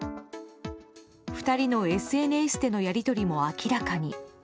２人のＳＮＳでのやり取りも明らかに。